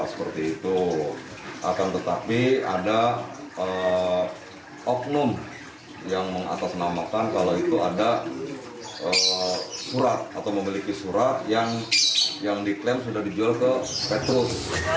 seperti itu akan tetapi ada oknum yang mengatasnamakan kalau itu ada surat atau memiliki surat yang diklaim sudah dijual ke petuk